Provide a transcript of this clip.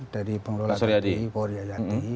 dari pengelola tadi pak uri yadi